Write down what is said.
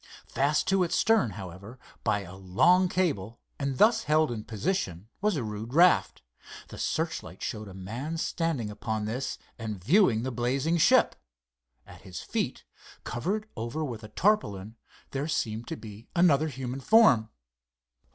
Fast to its stern, however, by a long cable and thus held in position, was a rude raft. The searchlight showed a man standing upon this and viewing the blazing ship. At his feet, covered over with a tarpaulin, there seemed to be another human form.